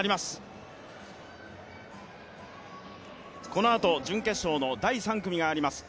このあと準決勝の第３組があります。